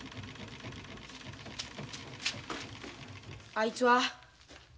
あいつは？